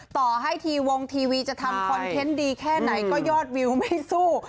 ต่อให้ทีวงทีวีจะทำคอนเทนต์ดีแค่ไหนก็ยอดวิวไม่สู้